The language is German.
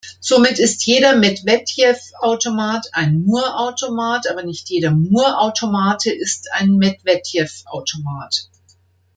Somit ist jeder Medwedew-Automat ein Moore-Automat, aber nicht jeder Moore-Automate ist ein Medwedew-Automat.